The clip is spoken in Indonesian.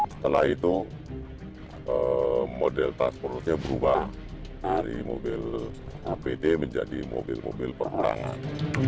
setelah itu model transportnya berubah dari mobil pt menjadi mobil mobil pertarangan